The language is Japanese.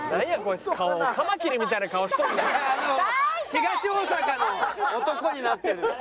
東大阪の男になってる。